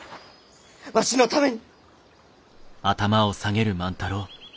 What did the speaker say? わしのために！